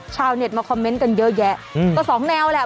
ชาวเน็ตมาคอมเมนต์กันเยอะแยะก็สองแนวแหละ